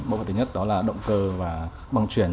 bộ phần thứ nhất đó là động cơ và băng chuyển